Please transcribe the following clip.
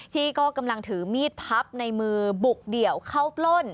ที่ก็กำลังถือมีดพับในมือบุกเดี่ยวเข้าปล้น